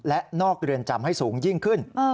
และนอกเรือนจำให้สูงยิ่งขึ้น